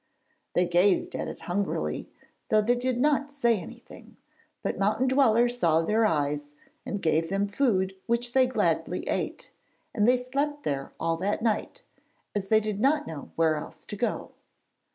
They gazed at it hungrily, though they did not say anything, but Mountain Dweller saw their eyes and gave them food which they gladly ate; and they slept there all that night, as they did not know where else to go.